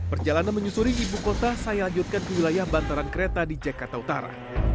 perjalanan menyusuri ibu kota saya lanjutkan ke wilayah bantaran kereta di jakarta utara